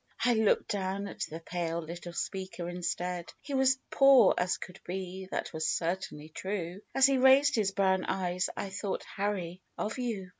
I looked down at the pale little speaker instead ; He was poor as could be, that was certainly true — As he raised his brown eyes, I thought, Harry, of you.